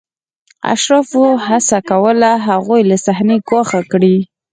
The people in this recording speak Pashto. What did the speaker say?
اشرافو هڅه کوله هغوی له صحنې ګوښه کړي.